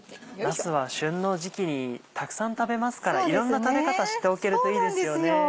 なすは旬の時期にたくさん食べますからいろんな食べ方知っておけるといいですよね。